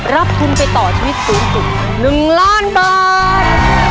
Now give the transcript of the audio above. รับทุนไปต่อชีวิตสูงสุด๑ล้านบาท